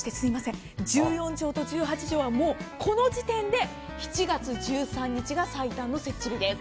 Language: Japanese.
１４畳と１８畳は、もうこの時点で７月１３日が最短の設置日です。